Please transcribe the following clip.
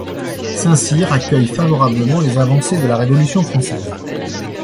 Saint-Cyr accueille favorablement les avancées de la Révolution française.